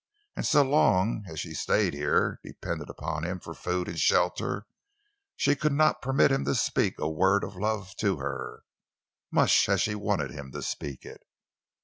And so long as she stayed here, dependent upon him for food and shelter, she could not permit him to speak a word of love to her—much as she wanted him to speak it.